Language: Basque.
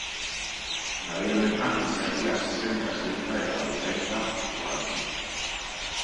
Garai honetan gizakia hasi zen nekazaritza eta abeltzaintza jorratzen.